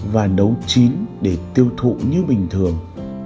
và nấu chín để tiêu thụ như bình thường